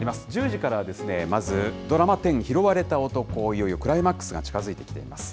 １０時からはまず、ドラマ１０拾われた男、いよいよクライマックスが近づいてきています。